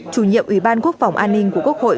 chủ nhiệm ủy ban quốc phòng an ninh của quốc hội